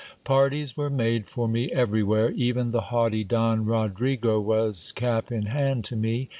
Parties were made for me everywhere. Even the haughty Don Rodrigo was cap in hand to me.